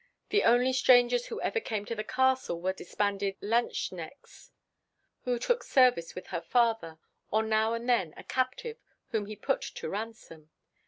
The only strangers who ever came to the castle were disbanded lanzknechts who took service with her father, or now and then a captive whom he put to ransom.